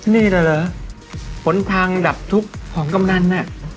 นี่แหละเหรอผลทางดับทุกข์ของกำนันน่ะ